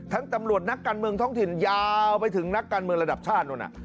ตำรวจนักการเมืองท้องถิ่นยาวไปถึงนักการเมืองระดับชาตินู่น